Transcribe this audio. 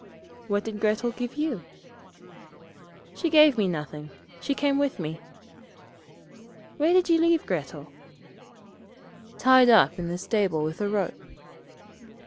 'What did Grettel give you?' 'She gave me nothing. She came with me.' 'Where did you leave Grettel?' 'Tied up in the stable with a rope.'